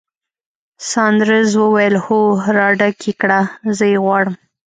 ساندرز وویل: هو، راډک یې کړه، زه یې غواړم.